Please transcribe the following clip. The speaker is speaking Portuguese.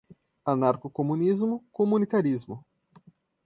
Anarcocomunismo, comunitarismo